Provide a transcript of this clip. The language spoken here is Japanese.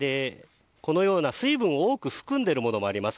このような水分を多く含んでいるものもあります。